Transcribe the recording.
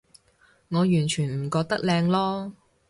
我完全唔覺得靚囉